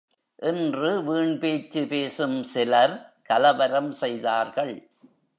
என்று வீண்பேச்சு பேசும் சிலர் கலவரம் செய்தார்கள்.